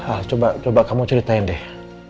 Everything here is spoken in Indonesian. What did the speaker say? ah coba kamu ceritain deh